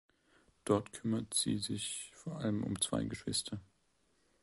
Dort kümmert sie sich vor allem um zwei Geschwister.